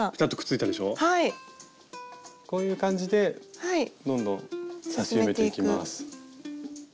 こういう感じでどんどん刺し埋めていきます。